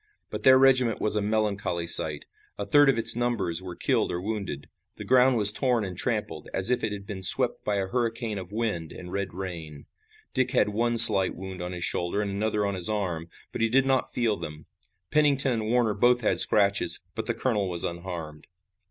But their regiment was a melancholy sight. A third of its numbers were killed or wounded. The ground was torn and trampled, as if it had been swept by a hurricane of wind and red rain. Dick had one slight wound on his shoulder and another on his arm, but he did not feel them. Pennington and Warner both had scratches, but the colonel was unharmed.